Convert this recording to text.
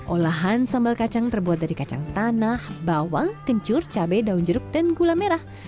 olahan sambal kacang terbuat dari kacang tanah bawang kencur cabai daun jeruk dan gula merah